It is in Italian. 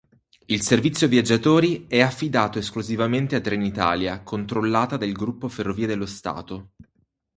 Il servizio viaggiatori è affidato esclusivamente a Trenitalia controllata del gruppo Ferrovie dello Stato.